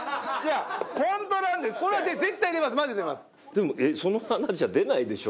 でもその穴じゃ出ないでしょ？